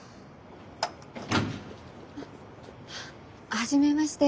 初めまして。